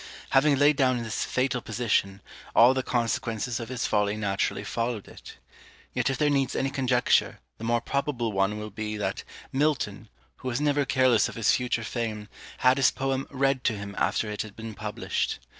Having laid down this fatal position, all the consequences of his folly naturally followed it. Yet if there needs any conjecture, the more probable one will be, that Milton, who was never careless of his future fame, had his poem read to him after it had been published.